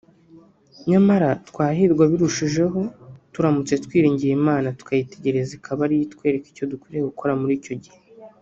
Nyamara twahirwa birushijeho turamutse twiringiye Imana tukayitegereza ikaba ari yo itwereka icyo dukwiriye gukora muri icyo gihe